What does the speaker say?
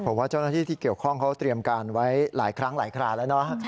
ผมว่าเจ้าหน้าที่ที่เกี่ยวข้องเขาเตรียมการไว้หลายครั้งหลายคราแล้วเนาะ